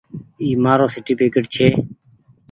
اي مآرو سرٽيڦڪيٽ ڇي۔